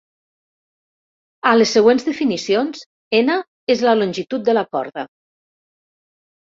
A les següents definicions, "N" és la longitud de la corda.